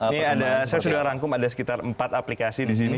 ini saya sudah rangkum ada sekitar empat aplikasi di sini